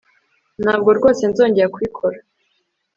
Ntabwo rwose nzongera kubikora